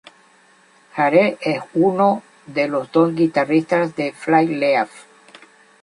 Jared es uno de los dos guitarristas de Flyleaf.